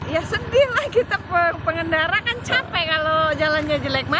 ya sedih lah kita pengendara kan capek kalau jalannya jelek